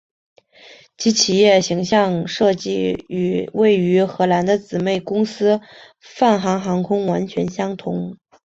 其企业形象设计与位于荷兰的姊妹公司泛航航空完全相同。